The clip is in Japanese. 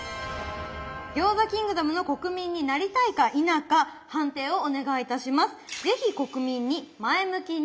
餃子キングダムの国民になりたいか否か判定をお願いいたします。